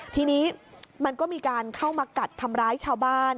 ทีนี้มันก็มีการเข้ามากัดทำร้ายชาวบ้าน